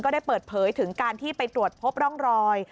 ได้เปิดเผยถึงการที่ไปตรวจพบร่องรอย